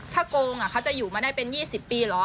ถ้าโกงเขาจะอยู่มาได้เป็น๒๐ปีเหรอ